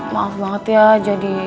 maaf banget ya jadi